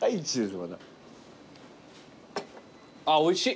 あっおいしい。